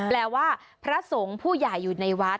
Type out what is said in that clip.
แปลว่าพระสงฆ์ผู้ใหญ่อยู่ในวัด